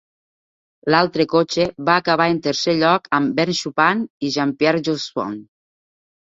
L'altre cotxe va acabar en tercer lloc amb Vern Schuppan i Jean-Pierre Jaussaud.